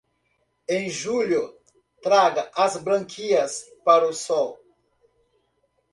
Em julho, traga as brânquias para o sol.